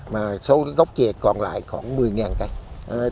mà số gốc trà còn lại khoảng một mươi hectare